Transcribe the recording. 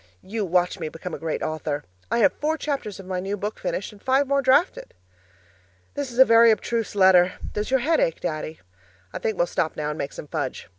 You watch me become a great author! I have four chapters of my new book finished and five more drafted. This is a very abstruse letter does your head ache, Daddy? I think we'll stop now and make some fudge.